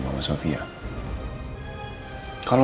untuk mengkh lira ke dalla